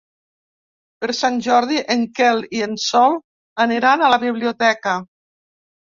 Per Sant Jordi en Quel i en Sol aniran a la biblioteca.